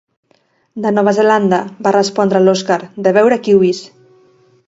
De Nova Zelanda —va respondre l'Oskar—, de veure kiwis!